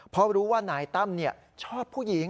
เพราะรู้ว่านายตั้มชอบผู้หญิง